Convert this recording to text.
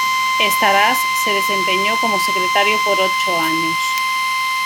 Starace se desempeñó como secretario por ocho años.